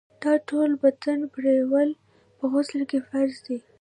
د ټول بدن پرېولل په غسل کي فرض دي.